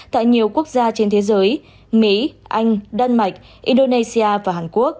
tại nhiều quốc gia trên thế giới mỹ anh đan mạch